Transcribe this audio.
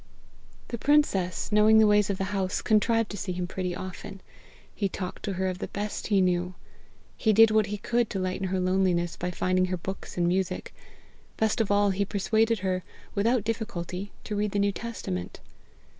The princess, knowing the ways of the house, contrived to see him pretty often. He talked to her of the hest he knew; he did what he could to lighten her loneliness by finding her books and music; best of all, he persuaded her without difficulty to read the New Testament.